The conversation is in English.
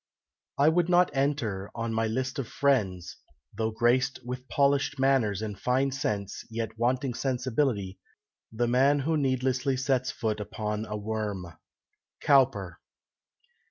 I would not enter on my list of friends (Though grac'd with polish'd manners and fine sense, Yet wanting sensibility) the man Who needlessly sets foot upon a worm. Cowper.